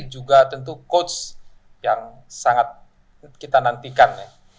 juga tentu coach yang sangat kita nantikan